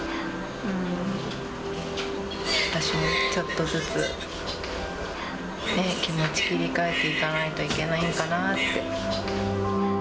私もちょっとずつ、気持ち切り替えていかないといけないのかなって。